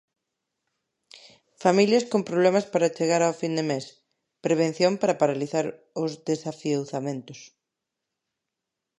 Familias con problemas para chegar a fin de mes, prevención para paralizar os desafiuzamentos.